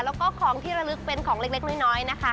แล้วก็ของที่ระลึกเป็นของเล็กน้อยนะคะ